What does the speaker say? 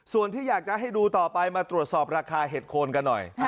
ส่วนที่อยากจะให้ดูต่อไปมาตรวจสอบราคาเห็ดโคนกันหน่อย